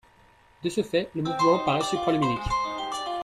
De ce fait, le mouvement parait supraluminique.